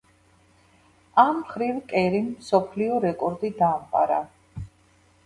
ამ მხრივ კერიმ მსოფლიო რეკორდი დაამყარა.